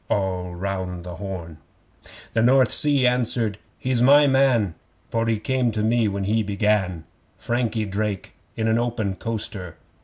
(All round the Horn!) The North Sea answered: 'He's my man, For he came to me when he began Frankie Drake in an open coaster.